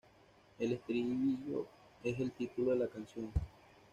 El estribillo es el título de la canción.